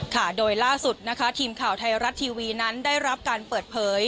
ค่ะโดยล่าสุดนะคะทีมข่าวไทยรัฐทีวีนั้นได้รับการเปิดเผย